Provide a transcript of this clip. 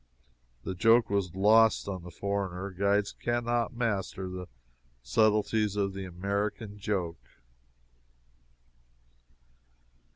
That joke was lost on the foreigner guides can not master the subtleties of the American joke.